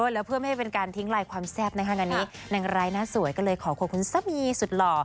แล้วเพื่อไม่ให้เป็นการทิ้งลายความแซ่บนะคะงานนี้นางร้ายหน้าสวยก็เลยขอขอบคุณสามีสุดหล่อ